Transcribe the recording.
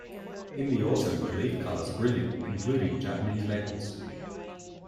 In the autumn, the leaf colours are brilliant, including Japanese maples.